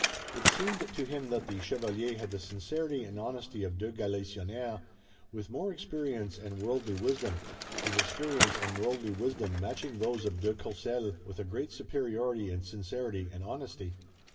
It seemed to him that the chevalier had the sincerity and honesty of de Galisonnière, with more experience and worldly wisdom, his experience and worldly wisdom matching those of de Courcelles with a great superiority in sincerity and honesty.